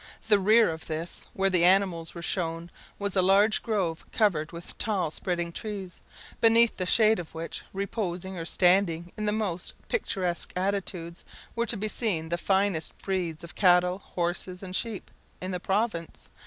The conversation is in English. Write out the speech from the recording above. The rear of this, where the animals were shown, was a large grove covered with tall spreading trees, beneath the shade of which, reposing or standing in the most picturesque attitudes, were to be seen the finest breeds of cattle, horses, and sheep, in the province.